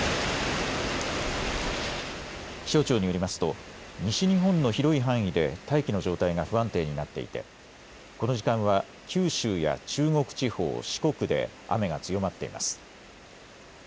気象庁によりますと西日本の広い範囲で大気の状態が不安定になっていてこの時間は九州や中国地方、四国で雨が強まっています。